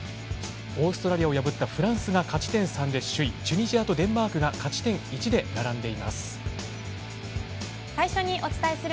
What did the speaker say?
オーストラリアを破ったフランスが勝ち点３で首位チュニジアとデンマークが勝ち点１で並んでいます。